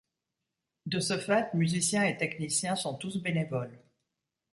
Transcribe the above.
De ce fait, musiciens et techniciens sont tous bénévoles.